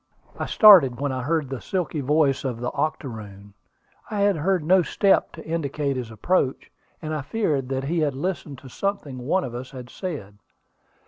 I started when I heard the silky voice of the octoroon. I had heard no step to indicate his approach, and I feared that he had listened to something one of us had said.